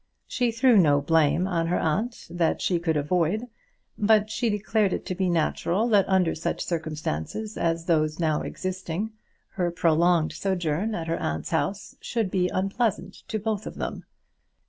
She threw no blame on her aunt that she could avoid, but declared it to be natural that under such circumstances as those now existing her prolonged sojourn at her aunt's house should be unpleasant to both of them.